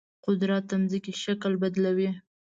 قدرت د ځمکې شکل بدلوي.